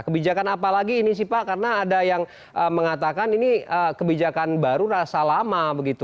kebijakan apa lagi ini sih pak karena ada yang mengatakan ini kebijakan baru rasa lama begitu